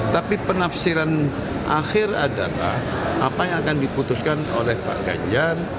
tapi penafsiran akhir adalah apa yang akan diputuskan oleh pak ganjar